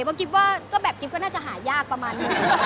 เพราะกิ๊บก็น่าจะหายากประมาณนี้